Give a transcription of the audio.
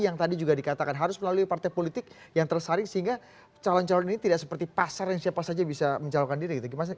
yang tadi juga dikatakan harus melalui partai politik yang tersaring sehingga calon calon ini tidak seperti pasar yang siapa saja bisa mencalonkan diri gitu